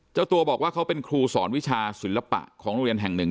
เจ้าตัวบอกว่าเขาเป็นครูสอนวิชาศิลปะของโรงเรียนแห่งหนึ่ง